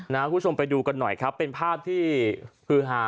คุณผู้ชมไปดูกันหน่อยครับเป็นภาพที่ฮือหา